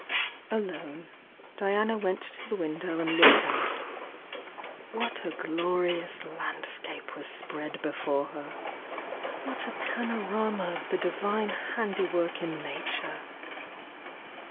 Alone, Diana went to the window ana if )ked out. What a glorious landscape was spread Leioix her! — what a panorama of the Divine handiwork in Nature!